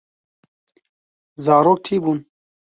Zarok tî bûn.